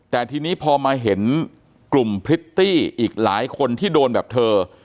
แต่ทีนี้พอมาเห็นกลุ่มพริตตี้อีกหลายคนที่โดนแบบเธอ